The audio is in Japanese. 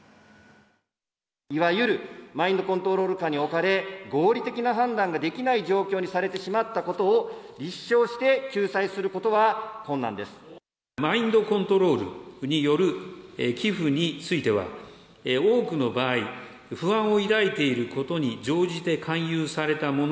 いわゆるマインドコントロール下に置かれ、合理的な判断ができない状況にされてしまったことを、マインドコントロールによる寄付については、多くの場合、不安を抱いていることに乗じて勧誘されたもの。